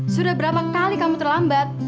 sudah berapa kali kamu terlambat